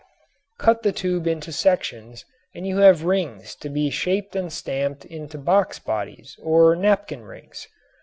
Cut the tube into sections and you have rings to be shaped and stamped into box bodies or napkin rings.